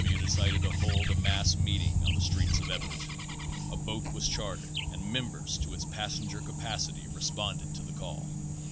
W. decided to hold a mass meeting on the streets of Everett. A boat was chartered and members to its passenger capacity responded to the call.